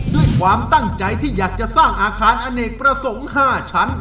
ด้วยความตั้งใจที่อยากจะสร้างอาคารอเนกประสงค์๕ชั้น